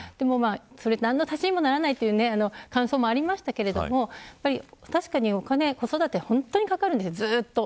何の足しにもならないという感想もありましたけど確かにお金、子育ては本当にかかります、ずっと。